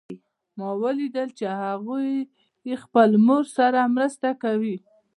ما ولیدل چې هغوی خپل مور سره مرسته کوي